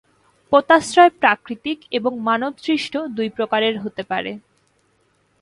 পোতাশ্রয় প্রাকৃতিক এবং মানবসৃষ্ট দুই প্রকারের হতে পারে।